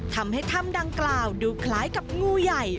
ทำให้ถ้ำดังกล่าวดูคล้ายกับงูใหญ่